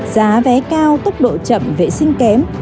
giá vé cao tốc độ chậm vệ sinh kém